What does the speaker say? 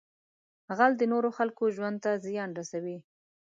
غل د نورو خلکو ژوند ته زیان رسوي